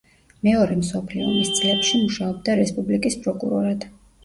მეორე მსოფლიო ომის წლებში მუშაობდა რესპუბლიკის პროკურორად.